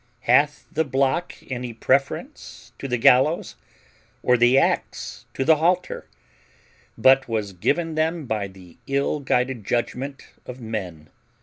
Hath the block any preference to the gallows, or the ax to the halter, but was given them by the ill guided judgment of men?